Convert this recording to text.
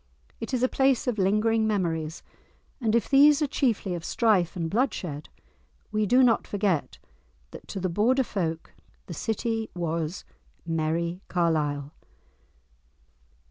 It is a place of lingering memories, and if these are chiefly of strife and bloodshed we do not forget that to the Border folk the city was "Merrie Carlisle."